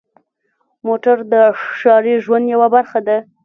موټر د ښاري ژوند یوه برخه ده.